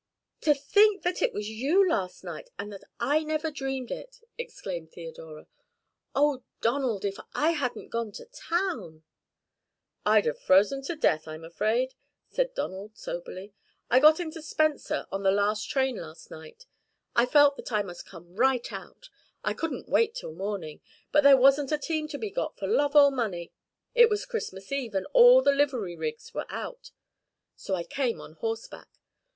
"To think that it was you last night, and that I never dreamed it," exclaimed Theodora. "Oh, Donald, if I hadn't gone to town!" "I'd have frozen to death, I'm afraid," said Donald soberly. "I got into Spencer on the last train last night. I felt that I must come right out I couldn't wait till morning. But there wasn't a team to be got for love or money it was Christmas Eve and all the livery rigs were out. So I came on horseback.